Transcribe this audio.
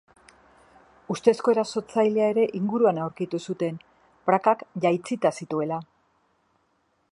Ustezko erasotzailea ere inguruan aurkitu zuten, prakak jaitsita zituela.